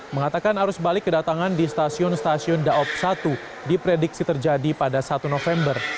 mengatakan arus balik kedatangan di stasiun stasiun daob satu diprediksi terjadi pada satu november